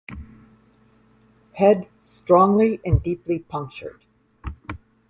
Head strongly and deeply punctured.